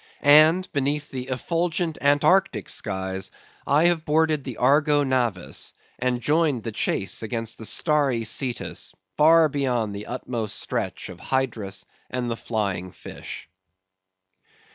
And beneath the effulgent Antarctic skies I have boarded the Argo Navis, and joined the chase against the starry Cetus far beyond the utmost stretch of Hydrus and the Flying Fish.